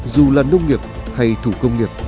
dù là nông nghiệp hay thủ công nghiệp